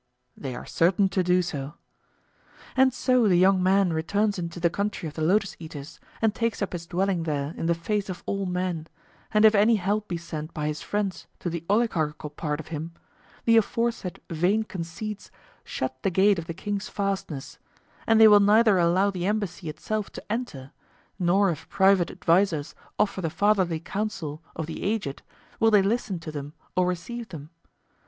They are certain to do so. And so the young man returns into the country of the lotus eaters, and takes up his dwelling there in the face of all men; and if any help be sent by his friends to the oligarchical part of him, the aforesaid vain conceits shut the gate of the king's fastness; and they will neither allow the embassy itself to enter, nor if private advisers offer the fatherly counsel of the aged will they listen to them or receive them.